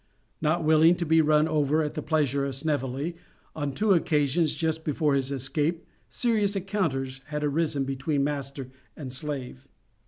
Not willing to be run over at the pleasure of Sneveley, on two occasions just before his escape serious encounters had arisen between master and slave.